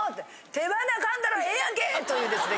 手鼻かんだらええやんけ！というですね